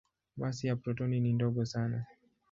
Masi ya protoni ni ndogo sana.